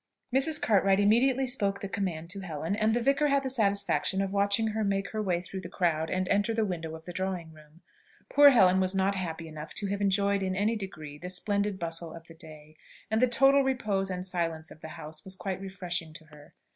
Mrs. Cartwright immediately spoke the command to Helen, and the vicar had the satisfaction of watching her make her way through the crowd, and enter the window of the drawing room. Poor Helen was not happy enough to have enjoyed in any degree the splendid bustle of the day, and the total repose and silence of the house was quite refreshing to her.